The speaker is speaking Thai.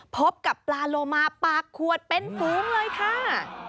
พบกับปลาโลมาปากขวดเป็นฝูงเลยค่ะ